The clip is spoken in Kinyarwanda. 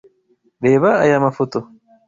Reba aya mafoto.